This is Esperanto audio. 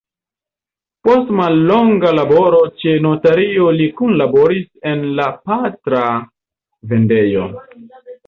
Post mallonga laboro ĉe notario li kunlaboris en la patra vendejo.